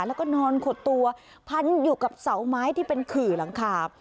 แล้วก็นอนขดตัวพันอยู่กับเสาไม้ที่เป็นขื่อหลังคาบ